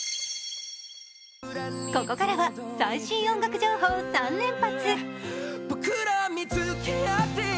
ここからは最新音楽情報３連発。